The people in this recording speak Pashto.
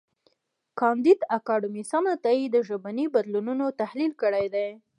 کانديد اکاډميسن عطایي د ژبني بدلونونو تحلیل کړی دی.